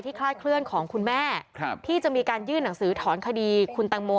คลาดเคลื่อนของคุณแม่ที่จะมีการยื่นหนังสือถอนคดีคุณตังโม